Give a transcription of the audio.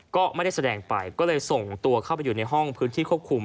ก็ไม่ได้แสดงไปก็เลยส่งตัวเข้าไปอยู่ในห้องพื้นที่ควบคุม